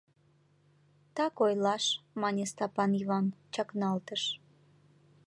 — Так ойлаш, — мане Стапан Йыван, чакналтыш.